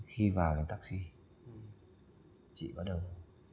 khi vào cái taxi chị bắt đầu